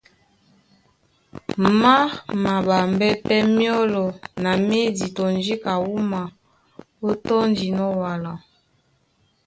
Má maɓambɛ́ pɛ́ myɔ́lɔ na médi tɔ njíka wúma ó tɔ́ndinɔ́ wala.